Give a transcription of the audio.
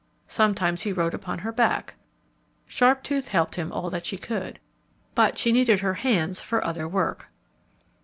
Sometimes he rode upon her back. Sharptooth helped him all that she could, but she needed her hands for other work.